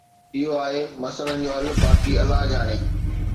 اهو آهي مسئلن جو حل، باقي الله ڄاڻي.